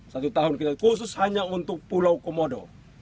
satu tahun kita khusus hanya untuk pulau komodo